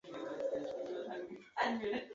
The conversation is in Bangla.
এদের মধ্যে একজন হলেন আল-খলিল ইবনে আহমদ আল-ফারাহাদি।